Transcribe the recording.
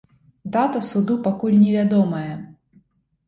Дата суду пакуль невядомая.